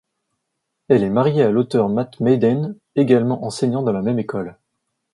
Elle est mariée à l'auteur Matt Madden, également enseignant dans la même école.